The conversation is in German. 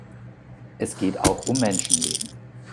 Es geht auch um Menschenleben.